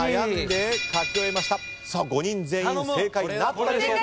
５人全員正解なったでしょうか？